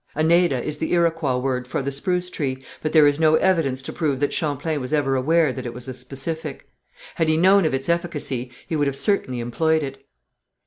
Aneda is the Iroquois word for the spruce tree, but there is no evidence to prove that Champlain was ever aware that it was a specific. Had he known of its efficacy he would have certainly employed it.